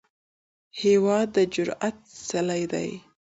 هېواد د جرئت څلی دی.